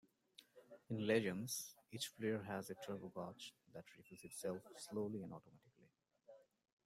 In Legends, each player has a turbo gauge that refills itself slowly and automatically.